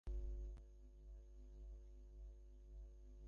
তোমার এটা করা উচিত না, তাহলে এই সবকিছুই মুছে যাবে।